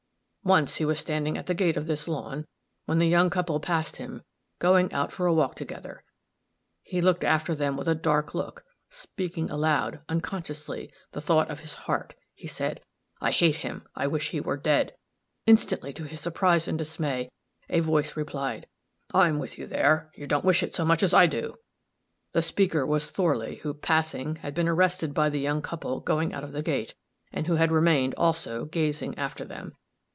Once, he was standing at the gate of this lawn, when the young couple passed him, going out for a walk together. He looked after them with a dark look, speaking aloud, unconsciously, the thought of his heart; he said, 'I hate him! I wish he were dead!' Instantly, to his surprise and dismay, a voice replied, 'I'm with you there you don't wish it so much as I do!' The speaker was Thorley, who, passing, had been arrested by the young couple going out of the gate, and who had remained, also, gazing after them.